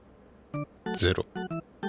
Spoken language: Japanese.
ゼロ？